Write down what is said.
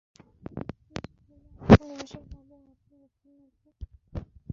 শ্রীশ কহিল, আসুন রসিকবাবু, আপনি উঠছেন না যে।